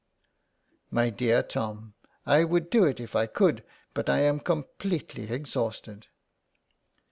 " My dear Tom, I would do it if I could, but I am completely exhausted."